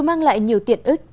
dù mang lại nhiều tiện ích